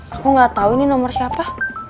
aku gak tau ini nomor siapa